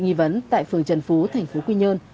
nghi vấn tại phường trần phú thành phố quy nhơn